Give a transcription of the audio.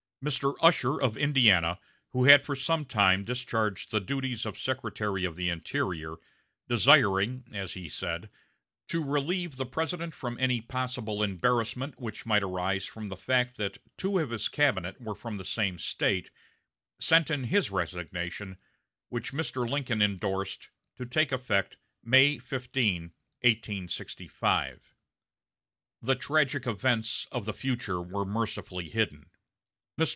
Mr. Usher of Indiana, who had for some time discharged the duties of Secretary of the Interior, desiring, as he said, to relieve the President from any possible embarrassment which might arise from the fact that two of his cabinet were from the same State, sent in his resignation, which Mr. Lincoln indorsed "To take effect May 15, 1865." The tragic events of the future were mercifully hidden. Mr.